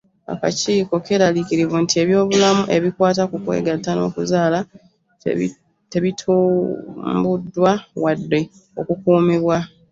Akakiiko keeraliikirivu nti ebyobulamu ebikwata ku kwegatta n’okuzaala tebitumbuddwa wadde okukuumibwa.